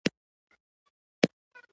دا میتودونه د تحقیق او تحلیل لپاره دي.